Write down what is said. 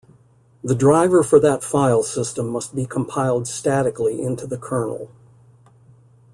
The driver for that file system must be compiled statically into the kernel.